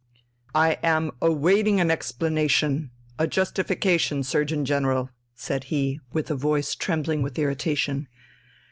"I am awaiting an explanation, a justification, Surgeon General," said he, with a voice trembling with irritation.